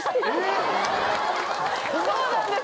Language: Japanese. そうなんです。